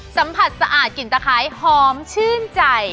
สัมผัสสะอาดกลิ่นตะไคร้หอมชื่นใจ